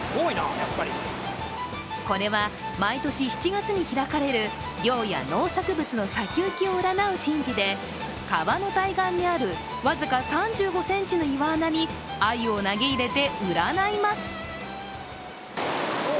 これは毎年７月に開かれる漁や農作物の先行きを占う神事で川の対岸にある僅か３５ｃｍの穴に鮎を投げ入れて占います。